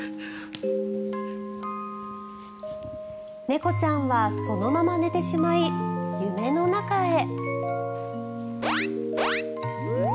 猫ちゃんはそのまま寝てしまい夢の中へ。